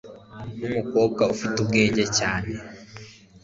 Numukobwa ufite ubwenge cyane.